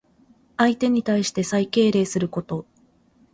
相手に対して最敬礼すること。